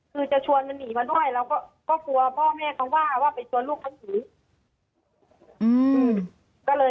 คือจะชวนมันหนีมาด้วยเราก็กลัวพ่อแม่เขาว่าว่าไปชวนลูกเขาถือ